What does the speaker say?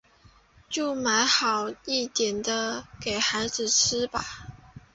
就买好一点的给孩子吃吧